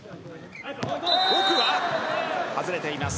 奥は外れています。